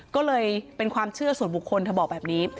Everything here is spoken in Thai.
ก็เลยเป็นความเชื่อส่วนบุคคลเธอบอกแบบนี้